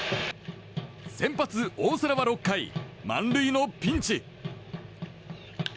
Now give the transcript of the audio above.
先発、大瀬良は６回満塁のピンチ。